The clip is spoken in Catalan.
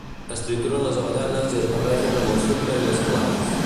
Es trituren les avellanes i es barrejen amb el sucre i les clares